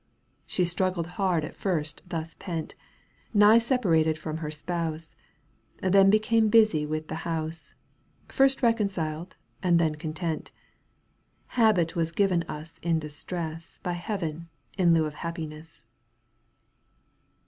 She struggled hard at first thus pent, Nigh separated from her spouse. Then became busy with the house. First reconciled and then content ; Habit was given us in distress \\.. By Heaven in lieu of happiness.